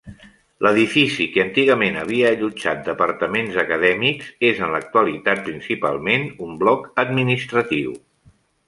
L'edifici, que antigament havia allotjat departaments acadèmics, és en l'actualitat principalment un bloc administratiu.